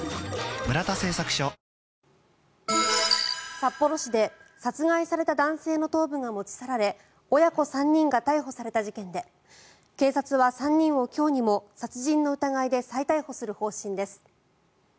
札幌市で殺害された男性の頭部が持ち去られ親子３人が逮捕された事件で警察は３人を今日にも殺人の疑いで再逮捕する方針です。